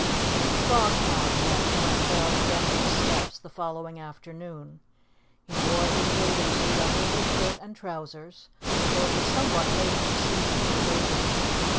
To the Frog Pond, then, Wendell bent his steps the following afternoon. He wore his bathing suit under his shirt and trousers, though it was somewhat late in the season for bathing.